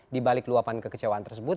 di balik luapan kekecewaan tersebut